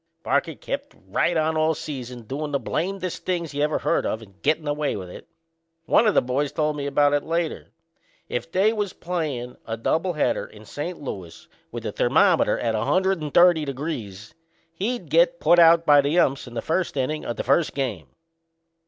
Parker kept right on all season doin' the blamnedest things you ever heard of and gettin' by with 'em. One o' the boys told me about it later. If they was playin' a double header in St. Louis, with the thermometer at 130 degrees, he'd get put out by the umps in the first innin' o' the first game.